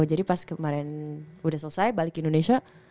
jadi pas kemarin udah selesai balik indonesia